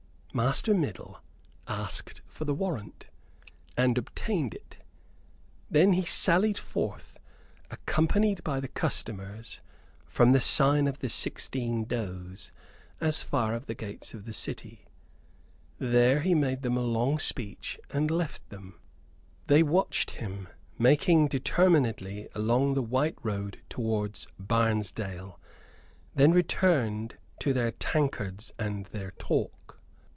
Master Middle asked for the warrant, and obtained it. Then he sallied forth, accompanied by the customers from the "Sign of the Sixteen Does" as far as the gates of the city. There he made them a long speech and left them. They watched him making determinedly along the white road towards Barnesdale; then returned to their tankards and their talk.